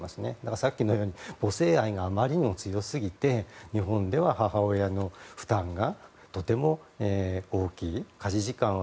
さっきのように母性愛があまりにも強すぎて日本では母親の負担がとても大きい。